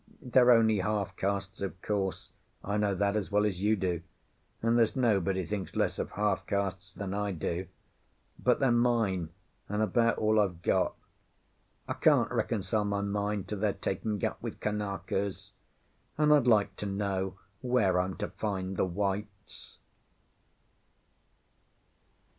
They're only half castes, of course; I know that as well as you do, and there's nobody thinks less of half castes than I do; but they're mine, and about all I've got. I can't reconcile my mind to their taking up with Kanakas, and I'd like to know where I'm to find the whites?